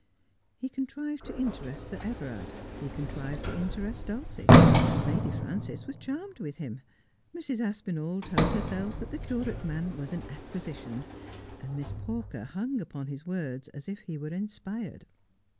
He contrived to interest Sir Everard ; he contrived to interest Dulcie ; Lady Frances was charmed with him ; Mrs. Aspinall told herself that the curate man was an acquisition ; Miss Pawker hung upon his words as if he were inspired.